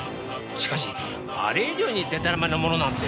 しかしあれ以上にでたらめなものなんて。